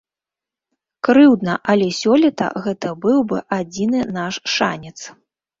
Крыўдна, але сёлета гэта быў бы адзіны наш шанец.